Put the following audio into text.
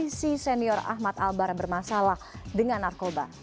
sisi senior ahmad albar bermasalah dengan narkoba